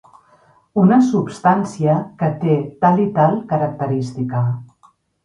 Una substància que té tal i tal característica.